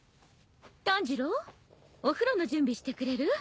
炭治郎お風呂の準備してくれる？